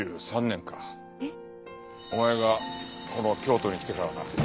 お前がこの京都に来てからだ。